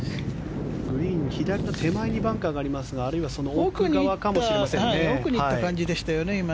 グリーンの左の手前にバンカーがありますがあるいはその奥側かもしれませんね。